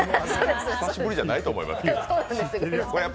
久しぶりじゃないと思いますよ。